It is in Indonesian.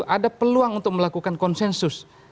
ada peluang untuk melakukan konsensus